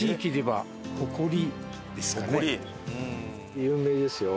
有名ですよ。